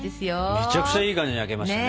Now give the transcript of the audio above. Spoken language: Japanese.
めちゃくちゃいい感じに焼けましたね。